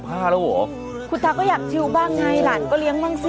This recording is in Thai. คุณตาก็อยากชิวบ้างไงหลานก็เลี้ยงบ้างสิ